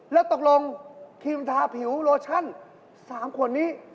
แล้วตกลงคิมทาผิวโลชั่น๓คนนี้